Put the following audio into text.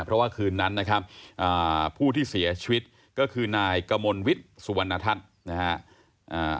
เพราะว่าคืนนั้นนะครับอ่าผู้ที่เสียชีวิตก็คือนายกมลวิทย์สุวรรณทัศน์นะฮะ